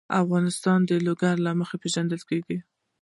افغانستان د لوگر له مخې پېژندل کېږي.